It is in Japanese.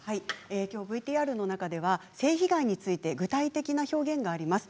きょうＶＴＲの中では性被害について具体的な表現があります。